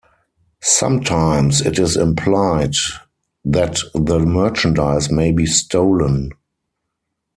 Sometimes, it is implied that the merchandise may be stolen.